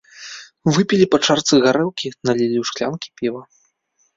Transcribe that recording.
Выпілі па чарцы гарэлкі, налілі ў шклянкі піва.